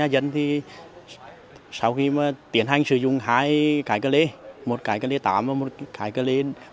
và nhà dân thì sau khi mà tiến hành sử dụng hai cái cơ lê một cái cơ lê tám và một cái cơ lê một mươi